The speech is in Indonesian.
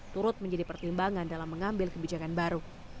turut menjadi pertimbangan dalam mengambil kebijakan baru